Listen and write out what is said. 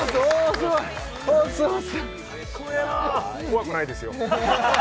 すごい怖くないですよ